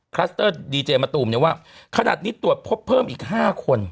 คลัสเตอร์ดีเจมะตูมเนี่ยว่าขนาดนี้ตรวจพบเพิ่มอีก๕คน